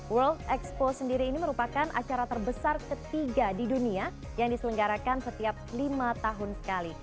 world expo sendiri ini merupakan acara terbesar ketiga di dunia yang diselenggarakan setiap lima tahun sekali